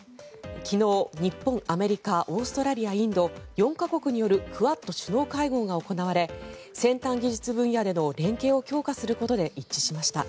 昨日、日本、アメリカオーストラリア、インド４か国によるクアッド首脳会合が行われ先端技術分野での連携を強化することで一致しました。